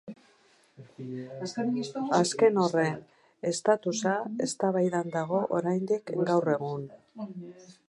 Azken horren estatusa eztabaidan dago oraindik gaur egun.